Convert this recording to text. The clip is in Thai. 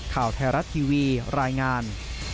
ข่าวไทยรัฐทีวีรายงาน